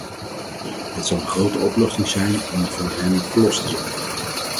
Het zal een grote opluchting zijn om van hen verlost te zijn.